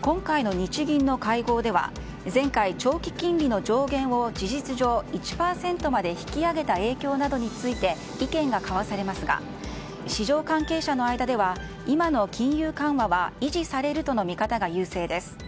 今回の日銀の会合では前回、長期金利の上限を事実上１％まで引き上げた影響などについて意見が交わされますが市場関係者の間では今の金融緩和は維持されるとの見方が優勢です。